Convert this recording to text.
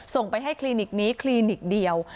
ส่งไปให้คลินิกนี้คลินิกเดียว